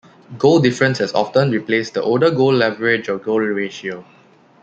Goal difference has often replaced the older goal average, or goal ratio.